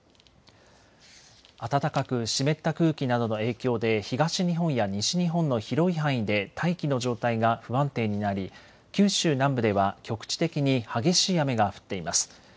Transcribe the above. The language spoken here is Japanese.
暖かく湿った空気などの影響で東日本や西日本の広い範囲で大気の状態が不安定になり九州南部では局地的に激しい雨が降っています。